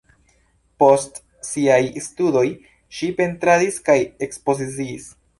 Post siaj studoj ŝi pentradis kaj ekspoziciis.